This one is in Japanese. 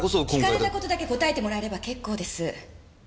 訊かれたことだけ答えてもらえれば結構です！